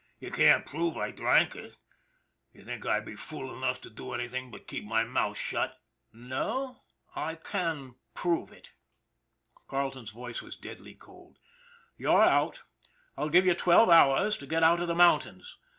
You can't prove I drank it. D'ye think I'd be fool enough to do anything but keep my mouth shut ?"" No ; I can't prove it " Carleton's voice was deadly cold. ' You're out ! I'll give you twelve hours to get out of the mountains.